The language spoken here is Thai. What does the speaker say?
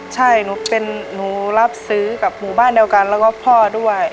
ใช่หนูเป็นหนูรับซื้อกับหมู่บ้านเดียวกันแล้วก็พ่อด้วย